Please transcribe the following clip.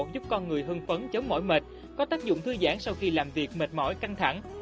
giúp con người hương phấn chống mỏi mệt có tác dụng thư giãn sau khi làm việc mệt mỏi căng thẳng